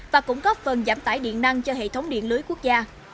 và cũng góp phần giảm tải điện năng cho hệ thống điện lưới quốc gia